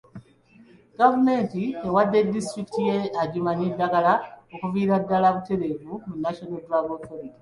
Gavumenti ewadde disitulikiti y'e Adjumani eddagala okuviira ddaala butereevu mu National Drug Authority.